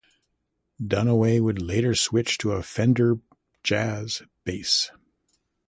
Dunaway would later switch to a Fender Jazz bass.